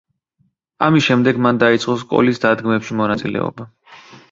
ამის შემდეგ მან დაიწყო სკოლის დადგმებში მონაწილეობა.